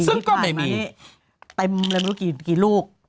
ซึ่งก็ไม่มีปีที่ป่านมานี่เต็มไม่รู้กี่ลูก